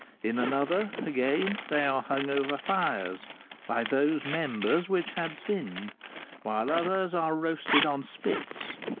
In another, again, they are hung over fires by those members which had sinned, whilst others are roasted on spits.